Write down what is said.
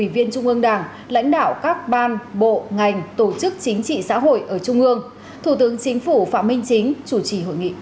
thủ tướng chính phủ phạm minh chính chủ trì hội nghị